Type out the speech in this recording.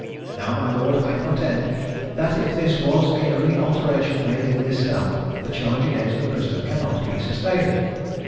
Now, my lord, I contend, that if this was the only alteration made in this stamp, the charge against the prisoner cannot be sustained.